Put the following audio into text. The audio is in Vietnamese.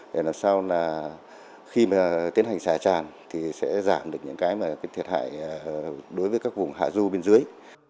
để làm sao khi tiến hành xả tràn thì sẽ giảm được những cái thiệt hại đối với các vùng hạ ru bên dưới